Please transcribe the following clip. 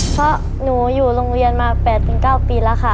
เพราะหนูอยู่โรงเรียนมา๘๙ปีแล้วค่ะ